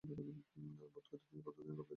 বোধ করি, তোমরা এতদিনে কলিকাতায় আসিয়া থাকিবে।